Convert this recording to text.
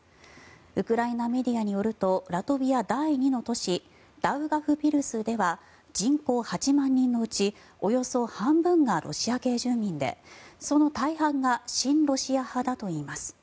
ウクライナメディアによるとラトビア第２の都市ダウガフピルスでは人口８万人のうち、およそ半分がロシア系住民でその大半が親ロシア派だといいます。